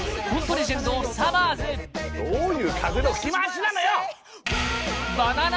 レジェンドどういう風の吹き回しなのよ